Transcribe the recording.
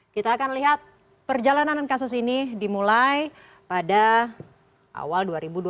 kita akan lihat perjalanan kasus ini dimulai pada awal dua ribu dua puluh